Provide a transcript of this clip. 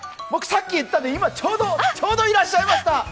僕、さっき言ったんでちょうどいらっしゃいました！